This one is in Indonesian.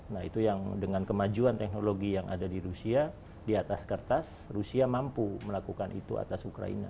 nah itu yang dengan kemajuan teknologi yang ada di rusia di atas kertas rusia mampu melakukan itu atas ukraina